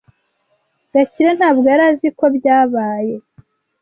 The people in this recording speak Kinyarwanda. Gakire ntabwo yari azi ko byabaye.